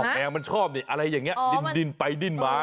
แมวมันชอบนี่อะไรอย่างนี้ดิ้นไปดิ้นมา